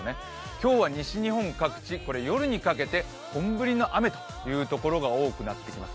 今日は西日本各地、夜にかけて本降りの雨という所が多くなってきます。